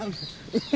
えっ！